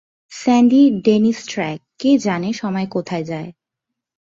Sandy Dennis track, কে জানে সময় কোথায় যায়?